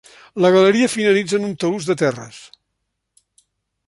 La galeria finalitza en un talús de terres.